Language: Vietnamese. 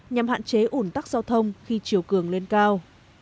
nhằm hạn chế ủn tắc giao thông khi chiều cường lên cao